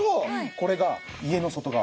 これが家の外側